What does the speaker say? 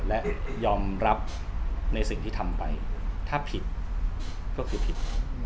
และยอมรับในสิ่งที่ทำไปถ้าผิดก็คือผิด